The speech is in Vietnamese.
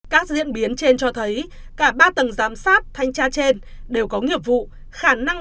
các diễn biến trên cho thấy cả ba tầng giám sát thanh tra trên đều có nghiệp vụ khả năng